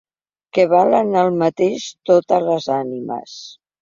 Que valen el mateix totes les ànimes.